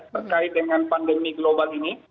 terkait dengan pandemi global ini